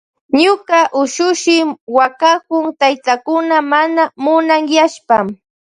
Ñuka ushushi wakakun taytakuna mana munanyashpa.